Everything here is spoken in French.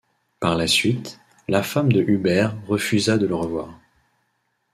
Par la suite, la femme de Huber refusa de le revoir.